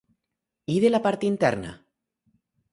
I de la part interna?